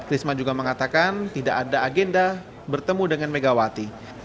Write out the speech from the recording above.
risma juga mengatakan tidak ada agenda bertemu dengan megawati